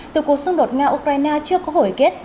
từ cuộc xung đột nga ukraine trước các hồi kết